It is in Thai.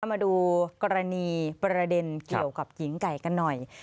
มาดูกรณีประเด็นเกี่ยวกับหญิงไก่กันหน่อย